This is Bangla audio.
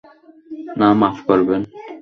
না মাফ করবেন!